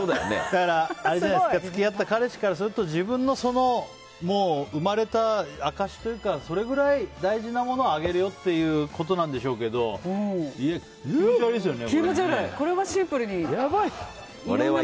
付き合った彼氏からすると自分の生まれた証しというかそれぐらい大事なものをあげるよっていうことなんでしょうけど気持ち悪いですよね。